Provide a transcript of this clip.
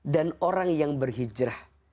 dan orang yang berhijrah